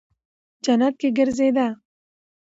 جنت کې گرځېده.